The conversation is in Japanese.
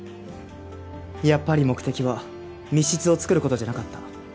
やっぱり目的は密室を作る事じゃなかった。